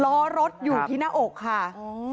ล้อรถอยู่ที่หน้าอกค่ะ